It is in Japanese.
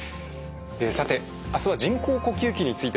さてあすは人工呼吸器についてです。